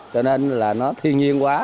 cho nên là nó thiên nhiên quá